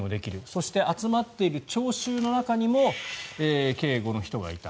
そして集まっている聴衆の中にも警護の人がいた。